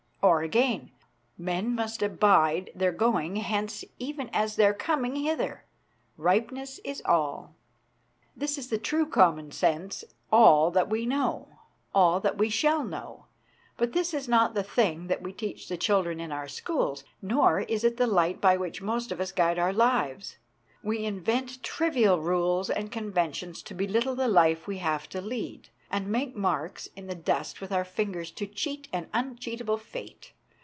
Or again " Men must abide Their going hence even as their coming hither, Ripeness is all." This is the true common sense all that we know, all that we shall know ; but this is not the thing that we teach the children in our schools, nor is it the light by which most of us guide our lives. We invent trivial rules and conventions to belittle the life we have to lead, and make marks in the dust with our fingers to cheat an uncheatable fate.